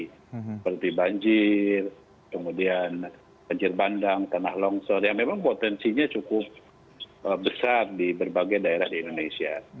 seperti banjir kemudian banjir bandang tanah longsor yang memang potensinya cukup besar di berbagai daerah di indonesia